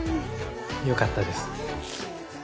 よかったです。